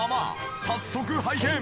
早速拝見！